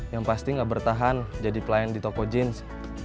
yang pasti gak bertahan jadi pelayan di toko jeans